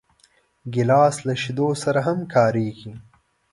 ګیلاس له شیدو سره هم کارېږي.